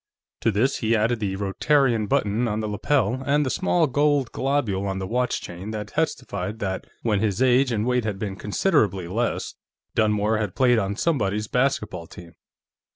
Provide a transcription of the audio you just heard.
To this he added the Rotarian button on the lapel, and the small gold globule on the watch chain that testified that, when his age and weight had been considerably less, Dunmore had played on somebody's basketball team.